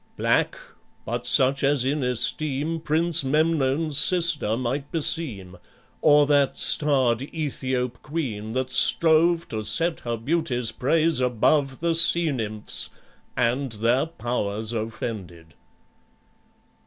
Black, but such as in esteem Prince Memnon's sister might beseem, Or that starred Aethiop queen that strove To set her beauty's praise above The sea nymphs, and their powers offended."